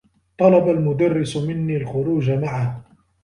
طلب المدرّس منّي الخروج معه.